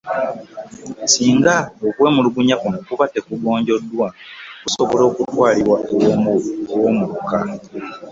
Singa okwemulugunya kuno kuba tekugonjoddwa, kusobola okutwalibwa ew’Owoomuluka.